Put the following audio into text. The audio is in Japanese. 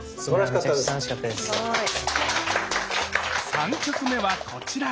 ３曲目はこちら！